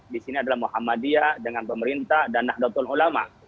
di sini adalah muhammadiyah dengan pemerintah dan nahdlatul ulama